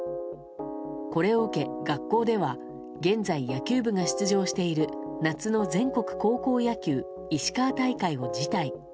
これを受け学校では現在、野球部が出場している夏の全国高校野球石川大会を辞退。